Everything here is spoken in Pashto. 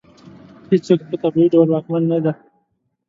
هېڅوک په طبیعي ډول واکمن نه دی.